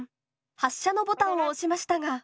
発射のボタンを押しましたが。